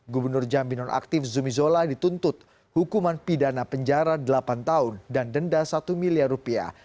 gubernur jambi nonaktif zumi zola dituntut hukuman pidana penjara delapan tahun dan denda satu miliar rupiah